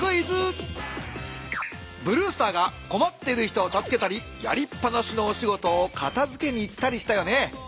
ブルースターがこまっている人をたすけたりやりっぱなしのお仕事をかたづけに行ったりしたよね。